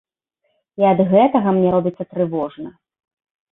І ад гэтага мне робіцца трывожна.